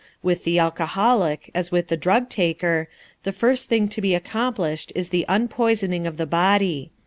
With the alcoholic, as with the drug taker, the first thing to be accomplished is the unpoisoning of the body.